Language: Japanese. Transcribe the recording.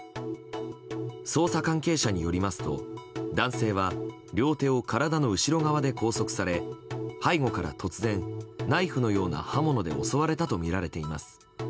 捜査関係者によりますと男性は両手を体の後ろ側で拘束され背後から突然ナイフのような刃物で襲われたとみられています。